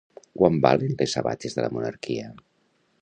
Quan valen les sabates de la monarquia?